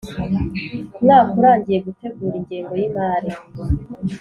mwaka urangiye gutegura ingengo y imari